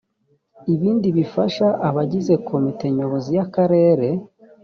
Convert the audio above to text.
ibindi bifasha abagize komite nyobozi y akarere